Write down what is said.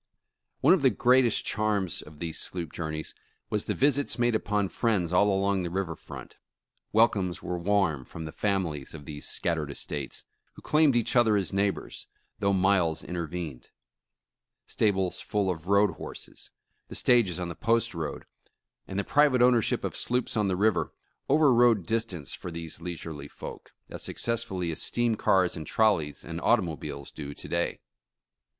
One of the greatest charms of these sloop journeys was the visits made upon friends all along the river front. Welcomes were warm from the families of these scattered estates, who claimed each other as neighbors, though miles intervened. Stables full of road horses, the stages on the post road, and the private ownership 264 Homes and Neighbors of sloops on the river, over rode distance for these leis urely folk, as successfully as steam cars and trolleys and automobiles do to day.